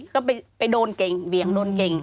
ก็ไปไปโดนเกรงเวียงโดนเกรง